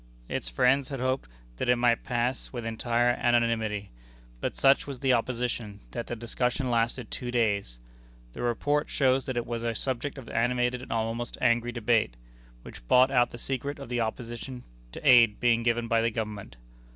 Its friends had hoped that it might pass with entire unanimity. But such was the opposition, that the discussion lasted two days. The report shows that it was a subject of animated and almost angry debate, which brought out the secret of the opposition to aid being given by the Government.